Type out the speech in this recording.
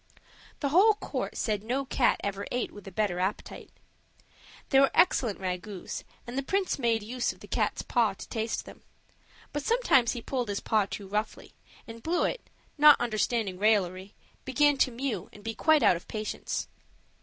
The whole court said no cat ever ate with a better appetite. There were excellent ragouts, and the prince made use of the cat's paw to taste them; but he sometimes pulled his paw too roughly, and Bluet, not understanding raillery, began to mew and be quite out of patience.